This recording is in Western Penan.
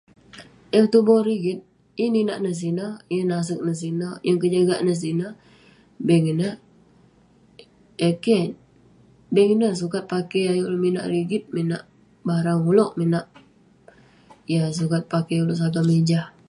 Yah petuboh rigit. Yeng ninak nah sineh, yeng naseg nah sineh, yeng kejagak nah sineh. Bank ineh. Eh keh. Bank ineh sukat pakey ulouk ayuk minak rigit, minak barang ulouk, minak yah sukat pakey ulouk sagam langit jah.